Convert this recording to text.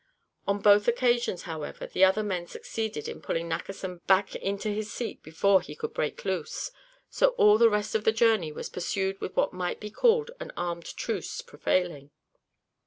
On both occasions, however, the other men succeeded in pulling Nackerson back into his seat before he could break loose. So all the rest of the journey was pursued with what might be called an "armed truce" prevailing.